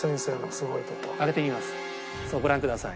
さあご覧ください。